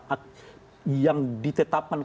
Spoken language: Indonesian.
yang ditetapkan ketersangkaannya